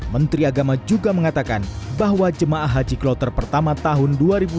menteri agama juga mengatakan bahwa jemaah haji kloter pertama tahun dua ribu dua puluh